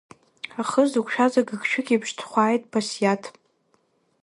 Ахы зықәшәаз агыгшәыг еиԥш дхәааит Басиаҭ.